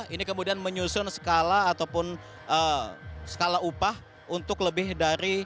ini kemudian menyusun skala ataupun skala upah untuk lebih dari